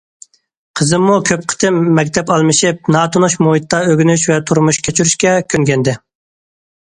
قىزىممۇ كۆپ قېتىم مەكتەپ ئالمىشىپ، ناتونۇش مۇھىتتا ئۆگىنىش ۋە تۇرمۇش كەچۈرۈشكە كۆنگەنىدى.